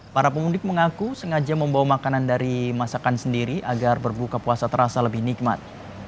para pemudik mengaku sengaja membawa makanan dari masakan sendiri agar berbuka puasa terasa lebih nikmat